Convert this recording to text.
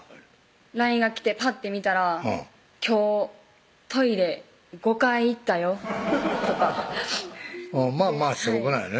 ＬＩＮＥが来てぱって見たら「今日トイレ５回行ったよ」とかまぁまぁしょうもないね